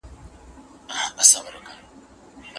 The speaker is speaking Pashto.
املا د اورېدلو حس پیاوړی کوي.